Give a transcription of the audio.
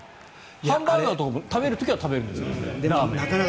ハンバーガーとかも食べる時は食べる。